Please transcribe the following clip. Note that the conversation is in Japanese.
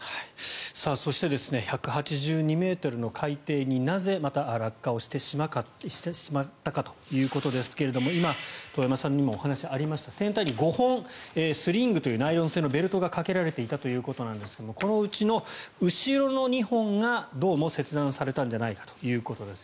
そして、１８２ｍの海底になぜ、また落下をしてしまったかということですが今、遠山さんからもお話がありました船体に５本、スリングというナイロン製のベルトがかけられていたということですがこのうちの後ろの２本がどうも切断されたんじゃないかということです。